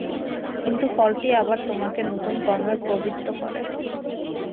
কিন্তু ফলটি আবার তোমাকে নূতন কর্মে প্রবৃত্ত করে।